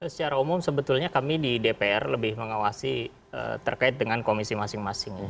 secara umum sebetulnya kami di dpr lebih mengawasi terkait dengan komisi masing masing